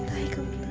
ngejagain kamu terus